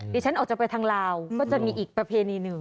ฉันออกจะไปทางลาวก็จะมีอีกประเพณีหนึ่ง